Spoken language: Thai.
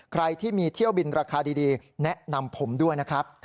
ใครที่มีเที่ยวบินราคาดีแนะนำผมด้วยนะครับ